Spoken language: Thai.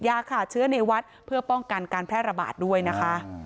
ยาขาดเชื้อในวัดเพื่อป้องกันการแพร่ระบาดด้วยนะคะ